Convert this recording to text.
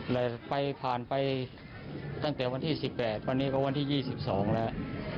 แต่ไปผ่านไปตั้งแต่วันที่๑๘วันนี้ก็วันที่๒๒แล้ว